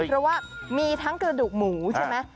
เพราะว่ามีทั้งกระดูกหมูใช่ไหม